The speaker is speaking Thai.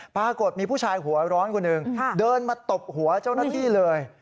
ปรากฏมีผู้ชายหัวร้อนคนหนึ่งเดินมาตบหัวเจ้าหน้าที่เลย